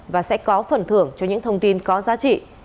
và sẽ có phần thưởng cho những thông tin có giá trị